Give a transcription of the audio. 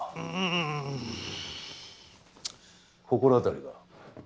心当たりは？